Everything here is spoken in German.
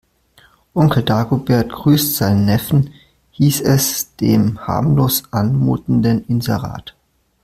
Onkel Dagobert grüßt seinen Neffen, hieß es in dem harmlos anmutenden Inserat.